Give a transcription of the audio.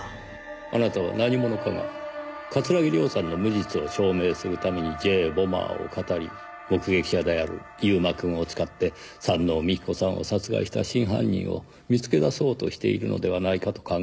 あなたは何者かが桂木涼さんの無実を証明するためにＪ・ボマーを騙り目撃者である悠馬くんを使って山王美紀子さんを殺害した真犯人を見つけ出そうとしているのではないかと考えた。